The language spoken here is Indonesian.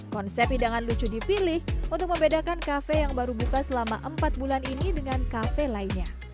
konsep hidangan lucu dipilih untuk membedakan kafe yang baru buka selama empat bulan ini dengan kafe lainnya